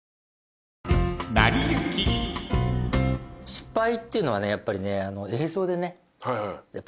失敗っていうのはねやっぱりね映像でね。